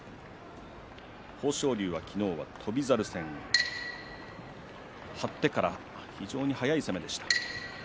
豊昇龍は昨日、翔猿戦張ってから非常に速い攻めでした。